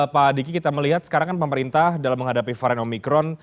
pak diki kita melihat sekarang kan pemerintah dalam menghadapi varian omikron